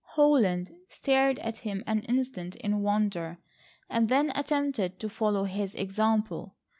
Holland stared at him an instant in wonder, and then attempted to follow his example.